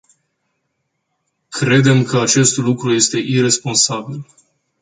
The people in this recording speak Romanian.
Credem că acest lucru este iresponsabil.